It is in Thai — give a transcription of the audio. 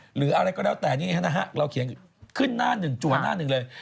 หรืออะไรก็แล้วแต่นี่นะฮะเราเขียนขึ้นหน้าหนึ่งจัวหน้าหนึ่งเลย